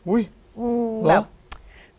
อุ้ยเหรอ